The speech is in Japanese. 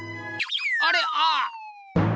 あれああ！